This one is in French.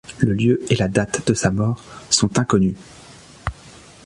Le lieu et la date de sa mort sont inconnus.